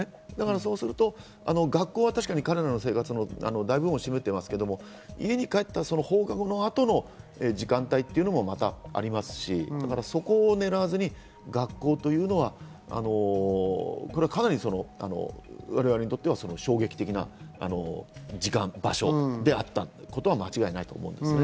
そうすると学校は彼らの生活の大部分を占めていますけど、家に帰った放課後のあとの時間帯というのもまたありますし、そこを狙わずに学校というのはかなり我々にとっては衝撃的な時間・場所であったことは間違いないと思いますね。